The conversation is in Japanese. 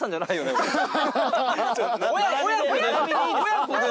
親子で。